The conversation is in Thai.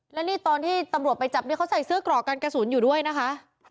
และนี่ตอนที่ตำรวจไปจับเนี่ยเขาใส่เสื้อกรอกการกระสุนอยู่ด้วยนะคะ